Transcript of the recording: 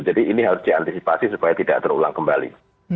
jadi ini harus diantisipasi supaya tidak terulang kembali